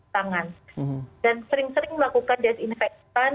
dan sering sering melakukan desinfeksi